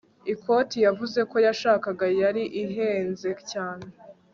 ikoti yavuze ko yashakaga yari ihenze cyane